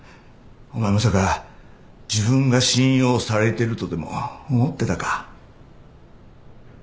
お前まさか自分が信用されてるとでも思ってたか？